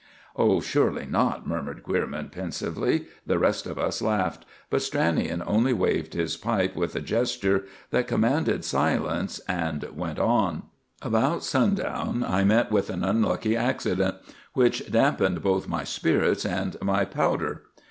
'" "Oh, surely not!" murmured Queerman pensively. The rest of us laughed; but Stranion only waved his pipe with a gesture that commanded silence, and went on:— "About sundown I met with an unlucky accident, which dampened both my spirits and my powder.